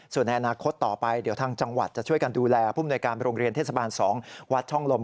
ส่วนในอนาคตต่อไปเดี๋ยวทางจังหวัดจะช่วยกันดูแลผู้มนวยการโรงเรียนเทศบาล๒วัดช่องลม